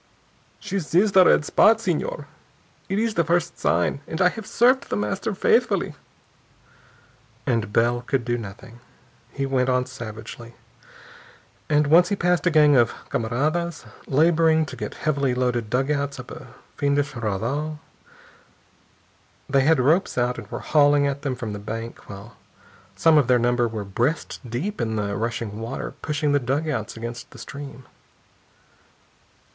"She sees the red spots, Senhor. It is the first sign. And I have served The Master faithfully...." And Bell could do nothing. He went on savagely. And once he passed a gang of camaradas laboring to get heavily loaded dugouts up a fiendish raudal. They had ropes out and were hauling at them from the bank, while some of their number were breast deep in the rushing water, pushing the dugouts against the stream.